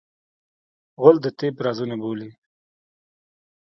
غول د طب رازونه بولي.